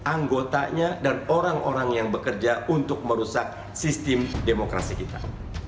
anggotanya dan orang orang yang bekerja untuk merusak sistem demokrasi kita